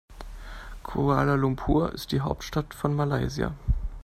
Kuala Lumpur ist die Hauptstadt von Malaysia.